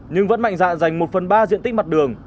nhưng vẫn mạnh dạ dành một phần ba diện tích mặt đường